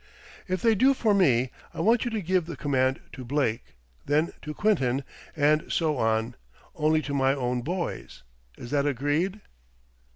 "If they do for me, I want you to give the command to Blake, then to Quinton, and so on, only to my own boys; is that agreed?"